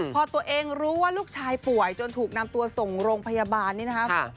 พอตัวเองรู้ว่าลูกชายป่วยจนถูกนำตัวส่งโรงพยาบาลนี่นะครับ